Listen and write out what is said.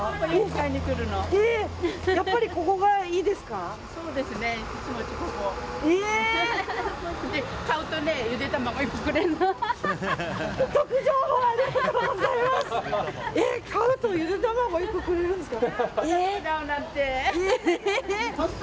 買うとゆで卵１個くれるんですか。